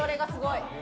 すごい！